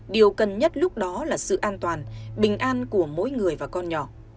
điều cần nhất lúc đó là sự an toàn bình an của mỗi người và con nhỏ